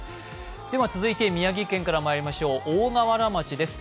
では続いて宮城県からまいりましょう、大河原町です。